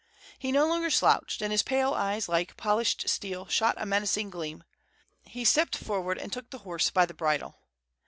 He no longer slouched, and his pale eyes, like polished steel, shot a menacing gleam. He stepped forward and took the horse by the bridle.